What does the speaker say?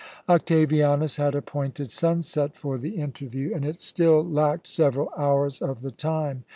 Octavianus had appointed sunset for the interview, and it still lacked several hours of the time.